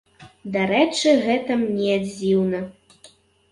Дарэчы, гэта мне дзіўна.